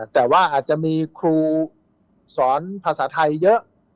แต่ว่าอาจจะมีครูสอนภาษาไทยเยอะ